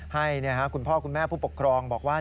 ให้คุณพ่อคุณแม่ผู้ปกครองบอกว่า